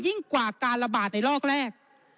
ยิ่งกว่าการระบาดในลอกแรก